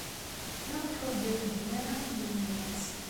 Maɣef ur d-iqeddem ara iman-nnes?